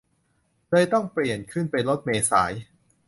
เลยต้องเปลี่ยนไปขึ้นรถเมล์สาย